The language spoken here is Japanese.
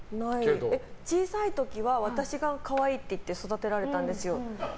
小さい時は私が可愛いって言って育てられたんですよ。